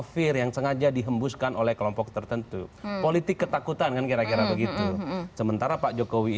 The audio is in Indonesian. menyinggung arti gundur uing pak jokowi